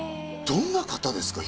どんな方ですか？